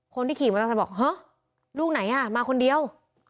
คนที่ขี่มอเตอร์ไซค์บอกฮะลูกไหนอ่ะมาคนเดียว